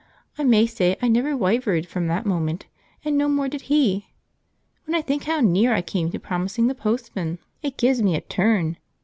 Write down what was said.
I may say I never wyvered from that moment, and no more did he. When I think how near I came to promising the postman it gives me a turn."